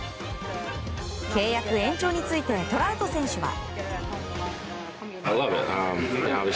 契約延長についてトラウト選手は。